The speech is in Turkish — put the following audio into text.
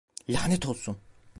Lânet olsun!